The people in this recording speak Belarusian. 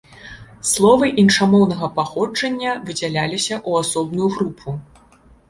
Словы іншамоўнага паходжання выдзяляліся ў асобную групу.